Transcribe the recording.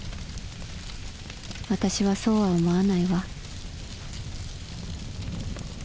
私はそうは思わないわ」。